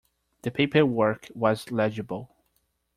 The paperwork was legible.